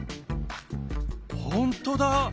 ほんとだ！